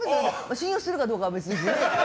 信用するかどうかは別として。